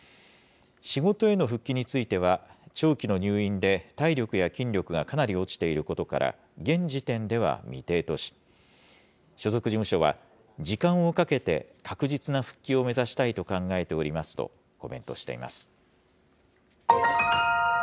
仕事への復帰については、長期の入院で体力や筋力がかなり落ちていることから、現時点では未定とし、所属事務所は、時間をかけて確実な復帰を目指したいと考えておりますとコメントしています。